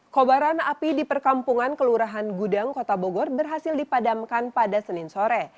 kobaran api di perkampungan kelurahan gudang kota bogor berhasil dipadamkan pada senin sore